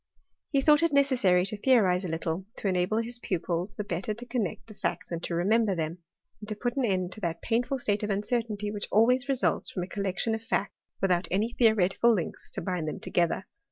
He thought it 'Miceasary to theonze a little, to enable his pupils the 6tter to connect the facts and to remember them; ^ to put an end to that painful state of uncertainty ^hich always Jesuits from a collection of facts without ^y theoretical links to bind them together.